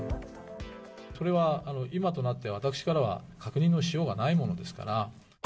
それは今となっては、私からは確認のしようがないものですから。